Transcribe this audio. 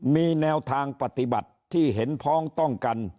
มีแนวทางปฏิบัติที่เห็นพ้องต้องกัน